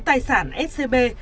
tài sản scb